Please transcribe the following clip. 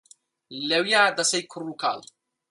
لەویا دەسەی کوڕ و کاڵ